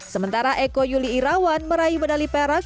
sementara eko yuli irawan meraih medali perak